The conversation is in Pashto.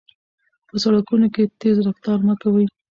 په سړکونو کې تېز رفتار مه کوئ.